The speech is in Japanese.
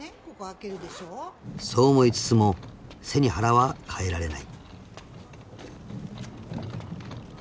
［そう思いつつも背に腹は代えられない］